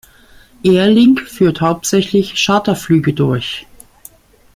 Air Link führt hauptsächlich Charterflüge durch.